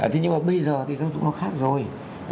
thế nhưng mà bây giờ thì giáo dục nó khác rồi